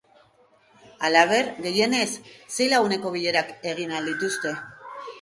Halaber, gehienez sei laguneko bilerak egin ahal dituzte.